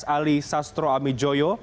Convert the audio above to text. wakil ketua mprs